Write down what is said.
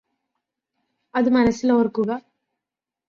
അത് മനസ്സിൽ ഓർക്കുക